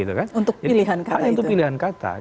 untuk pilihan kata itu